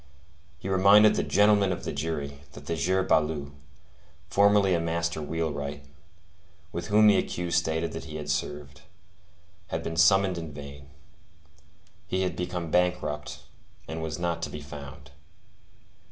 He reminded "the gentlemen of the jury" that "the sieur Baloup, formerly a master wheelwright, with whom the accused stated that he had served, had been summoned in vain. He had become bankrupt, and was not to be found."